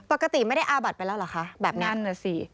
ปกติไม่ได้อาบัดไปแล้วเหรอคะแบบนั้นน่ะสิ